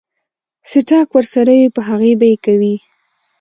سټاک ورسره وي پۀ هغې به يې کوي ـ